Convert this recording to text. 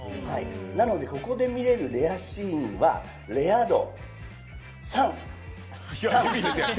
なので、ここで見れるレアシーンはレア度３。